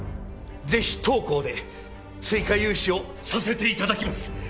ぜひ当行で追加融資をさせて頂きます！